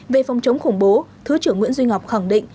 về phòng chống khủng bố thứ trưởng nguyễn duy ngọc khẳng định